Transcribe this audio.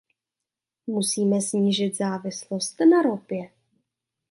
Musíme snížit závislost na ropě.